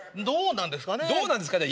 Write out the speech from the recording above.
どうなんですかね？